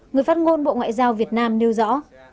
người phát ngôn bộ ngoại giao việt nam nêu rõ